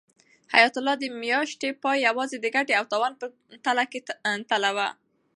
حیات الله د میاشتې پای یوازې د ګټې او تاوان په تله کې تلاوه.